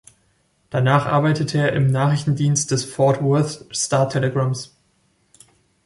Danach arbeitete er im Nachrichtendienst des Fort Worth Star-Telegramms.